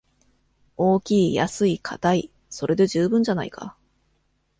大きい安いかたい、それで十分じゃないか